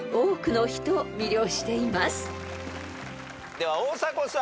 では大迫さん。